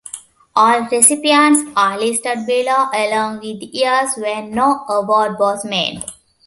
All recipients are listed below, along with the years when no award was made.